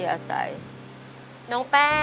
โอ้โฮ